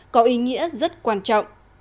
có ý nghĩa rất quan trọng